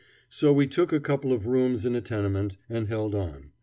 So we took a couple of rooms in a tenement, and held on.